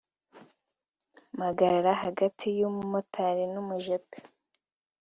mpagarara hagati y’ umumotari n’ umujepe